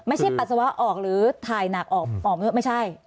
ไม่ใช่ปัจสาวออกหรือถ่ายหนักออกไม่ใช่